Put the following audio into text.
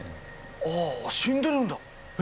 あぁ死んでるんだ！え？